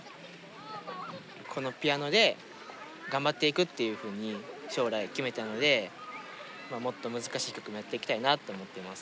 このピアノで頑張っていくっていうふうに将来決めたのでもっと難しい曲もやっていきたいなと思っています。